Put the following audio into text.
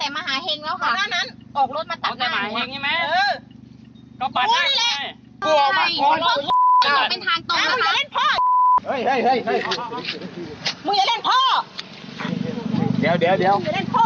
มึงอย่าเล่นพ่อเดี๋ยว